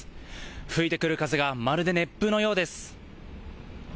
吹いてくる風がまるで熱風のようです。